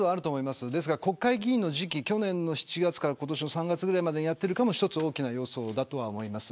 国会議員の時期去年の７月から今年の３月ぐらいまでにやっているというのが一つの大きな要素だと思います。